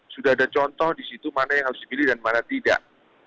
sudah ada contoh di situ mana yang harus dipilih dan mana tidak